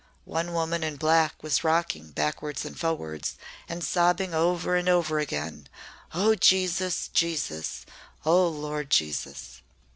One woman in black was rocking backwards and forwards and sobbing over and over again, 'Oh, Jesus! Jesus! Oh, Lord Jesus!'"